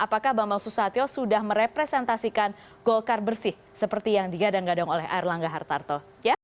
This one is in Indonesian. apakah bambang susatyo sudah merepresentasikan golkar bersih seperti yang digadang gadang oleh air langga hartarto